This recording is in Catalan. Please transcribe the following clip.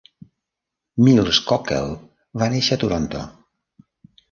Mills-Cockell va nèixer a Toronto.